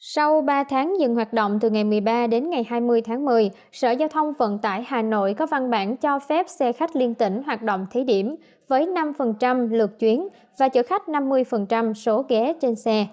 sau ba tháng dừng hoạt động từ ngày một mươi ba đến ngày hai mươi tháng một mươi sở giao thông vận tải hà nội có văn bản cho phép xe khách liên tỉnh hoạt động thí điểm với năm lượt chuyến và chở khách năm mươi số ghế trên xe